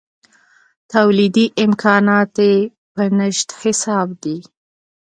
تولیدي امکانات یې په نشت حساب دي.